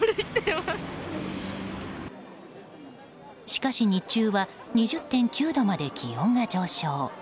しかし、日中は２０．９度まで気温が上昇。